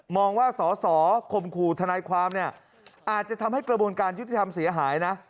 องว่าสอสอคมขู่ทนายความเนี่ยอาจจะทำให้กระบวนการยุติธรรมเสียหายนะ